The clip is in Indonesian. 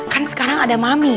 kan sekarang ada mami